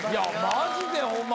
マジでホンマ